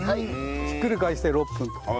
ひっくり返して６分と。